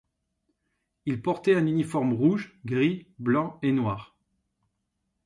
Ils portaient un uniforme rouge, gris, blanc et noir.